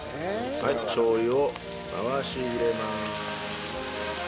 しょう油を流し入れまーす。